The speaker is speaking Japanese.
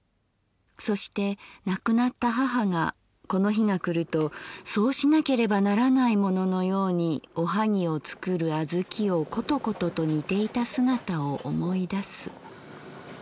そして亡くなった母がこの日が来るとそうしなければならないもののように『おはぎ』をつくる小豆をコトコトと煮ていた姿をおもい出す。